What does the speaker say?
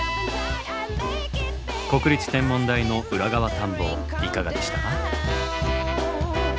国立天文台の裏側探訪いかがでしたか？